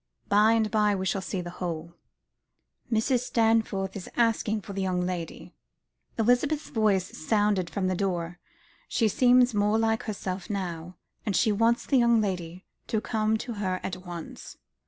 By and by we shall see the whole." "Mrs. Stanforth is asking for the young lady," Elizabeth's voice sounded from the door. "She seems more like herself now; and she wants the young lady to come to her at once."